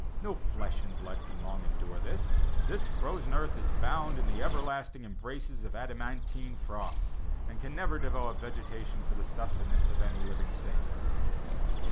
No flesh and blood can long endure this; this frozen earth is bound in the everlasting embraces of adamantine frost, and can never develop vegetation for the sustenance of any living thing."